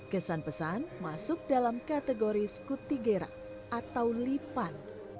kesan pesan masuk dalam kategori skutigera atau lipan